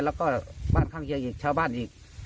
แล้วก็บ้านข้างเคียงอีกชาวบ้านอีก